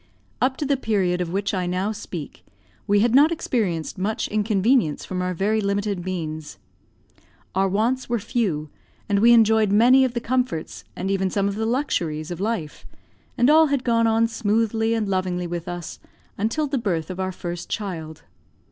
Up to the period of which I now speak, we had not experienced much inconvenience from our very limited means. Our wants were few, and we enjoyed many of the comforts and even some of the luxuries of life; and all had gone on smoothly and lovingly with us until the birth of our first child.